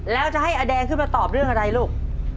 แล้วจะให้อแดงขึ้นมาตอบเรื่องอะไรลูก